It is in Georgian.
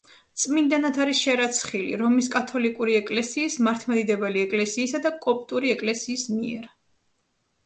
წმინდანად არის შერაცხილი რომის კათოლიკური ეკლესიის, მართლმადიდებელი ეკლესიისა და კოპტური ეკლესიის მიერ.